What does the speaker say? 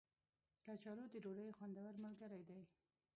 کچالو د ډوډۍ خوندور ملګری دی